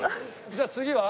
じゃあ次は？